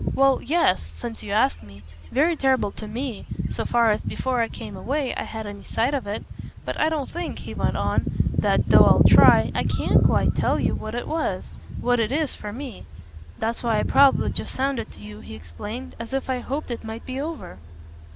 "Well, yes since you ask me: very terrible to ME so far as, before I came away, I had any sight of it. But I don't think," he went on, "that though I'll try I CAN quite tell you what it was, what it is, for me. That's why I probably just sounded to you," he explained, "as if I hoped it might be over."